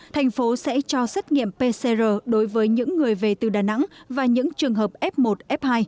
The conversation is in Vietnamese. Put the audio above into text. thành phố sẽ cho xét nghiệm pcr đối với những người về từ đà nẵng và những trường hợp f một f hai